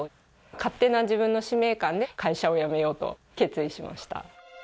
勝手な自分の使命感で会社を辞めようと決意しました。